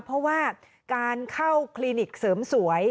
เพราะว่าการเข้าคลินิกเสริมสวย